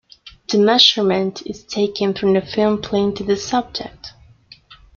The measurement is taken from the film plane to the subject.